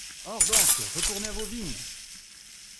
Ores doncques retournez à vos vignes !